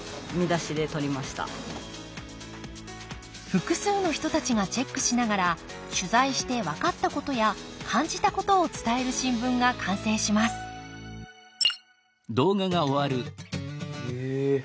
複数の人たちがチェックしながら取材して分かったことや感じたことを伝える新聞が完成しますへえ